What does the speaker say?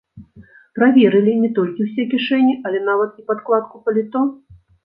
Праверылі не толькі ўсе кішэні, але нават і падкладку паліто!